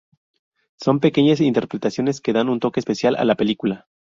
Son pequeñas interpretaciones que dan un toque especial a la película.